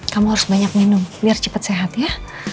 kamu harus banyak minum biar cepet sehat ya